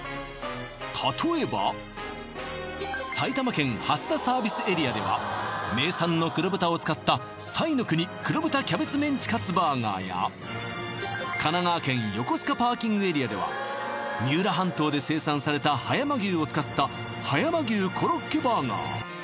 例えば埼玉県蓮田サービスエリアでは名産の黒豚を使った神奈川県横須賀パーキングエリアでは三浦半島で生産された葉山牛を使った葉山牛コロッケバーガー